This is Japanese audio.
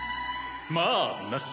まあな。